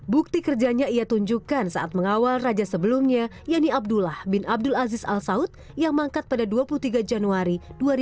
bukti kerjanya ia tunjukkan saat mengawal raja sebelumnya yani abdullah bin abdul aziz al saud yang mangkat pada dua puluh tiga januari dua ribu dua puluh